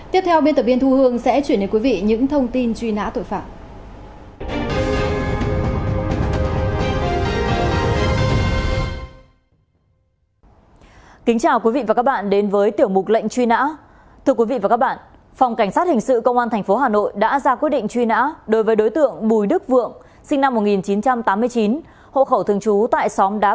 tiếp theo biên tập viên thu hương sẽ chuyển đến quý vị những thông tin truy nã tội phạm